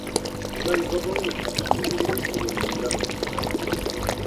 لا يغرنك أنني لين اللم